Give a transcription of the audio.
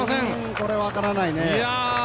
これ分からないね。